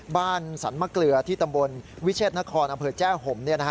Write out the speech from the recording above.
บ้านศัลมเกลือที่ตำบลวิเชษฎนโครนอำเภอแจ่ห่ม